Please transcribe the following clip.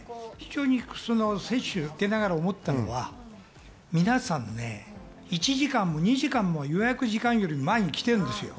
私は非常に接種を受けながら思ったのは、皆さん、１時間も２時間も予約時間の前に来てるんですよ。